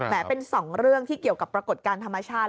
เป็น๒เรื่องที่เกี่ยวกับปรากฏการณ์ธรรมชาติ